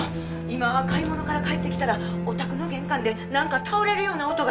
今買い物から帰ってきたらおたくの玄関でなんか倒れるような音がして。